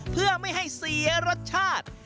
เพื่อไม่ให้เสียรสชาติ